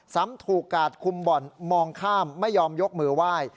ซ้ำถูกกาดคุมบ่อนมองข้ามไม่ยอมยกมือไหว้